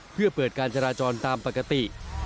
เพื่อเปิดการจราจรตามปกติ